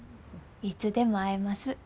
いつでも会えます。